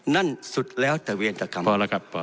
นั่นสุดแล้วแต่เวรแต่กรรม